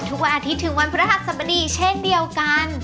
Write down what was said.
ทุกวันอาทิตย์ถึงวันเพื่อหาสบดี๖๐๐บาทเช่นเดียวกัน